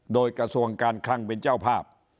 โดยกระทรวงการคลังเป็นเจ้าภาพ